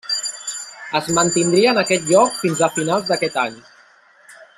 Es mantindria en aquest lloc fins a finals d'aquest any.